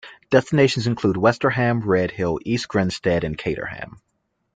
Destinations include: Westerham, Redhill, East Grinstead and Caterham.